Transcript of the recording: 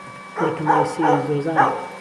به تهمای سهیری زۆزانه